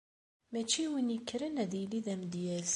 Mačči win yekkren ad yili d amedyaz.